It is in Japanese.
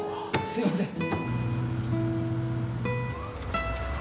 すいません。